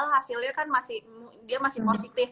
hasilnya kan masih dia masih positif